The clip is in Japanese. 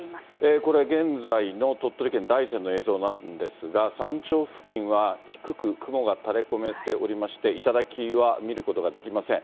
これ、現在の鳥取県大山の映像なんですが、山頂付近は低く雲が垂れこめておりまして、頂は見ることができません。